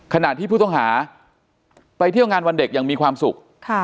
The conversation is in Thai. ขณะที่ผู้ต้องหาไปเที่ยวงานวันเด็กอย่างมีความสุข